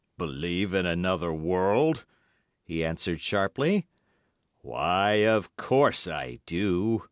"Believe in another world?" he answered sharply, "why, of course I do.